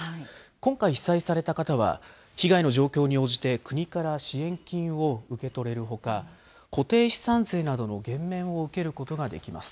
今回被災された方は、被害の状況に応じて国から支援金を受け取れるほか、固定資産税などの減免を受けることができます。